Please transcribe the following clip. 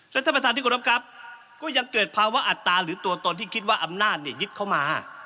ท่านประธานที่กรบครับก็ยังเกิดภาวะอัตราหรือตัวตนที่คิดว่าอำนาจเนี่ยยึดเข้ามา